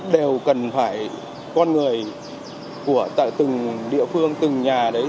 đều cần phải con người của tại từng địa phương từng nhà đấy